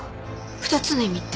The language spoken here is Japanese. ２つの意味って？